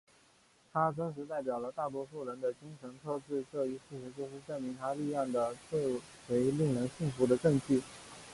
他真实代表了大多数人的精神特质这一事实就是证明他力量的最为令人信服的证据。